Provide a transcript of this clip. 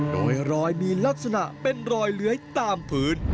โดยรอยมีลักษณะเป็นรอยเลื้อยตามพื้น